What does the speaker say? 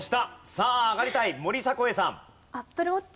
さあ上がりたい森迫永依さん。